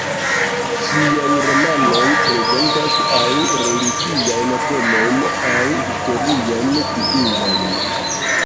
Ŝiaj romanoj prezentas aŭ religiajn temojn, aŭ historiajn figurojn.